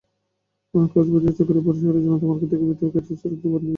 কক্সবাজারের চকরিয়া পৌর শহরের জনতা মার্কেট থেকে বেতুয়া বাজার সড়কটি পানিতে ডুবে গেছে।